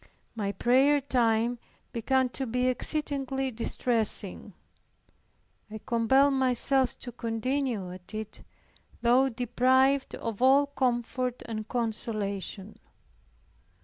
My prayer time began to be exceedingly distressing. I compelled myself to continue at it, though deprived of all comfort and consolation.